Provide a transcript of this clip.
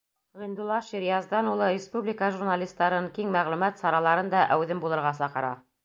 Ғиндулла Ширияздан улы республика журналистарын, киң мәғлүмәт сараларын да әүҙем булырға саҡыра.